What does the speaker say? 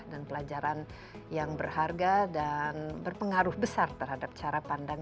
dan pelajaran yang berharga dan berpengaruh besar terhadap cara pandang